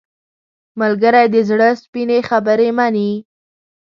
ملګری د زړه سپینې خبرې مني